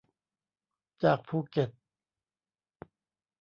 จากภูเก็ต